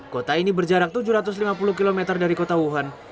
kota ini berjarak tujuh ratus lima puluh km dari kota wuhan